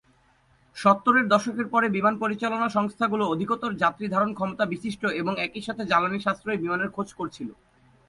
সত্তরের দশকের পরে বিমান পরিচালনা সংস্থাগুলো অধিকতর যাত্রী ধারণ ক্ষমতা বিশিষ্ট এবং একই সাথে জ্বালানি সাশ্রয়ী বিমানের খোঁজ করছিলো।